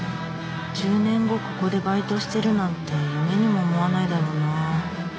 １０年後ここでバイトしてるなんて夢にも思わないだろうな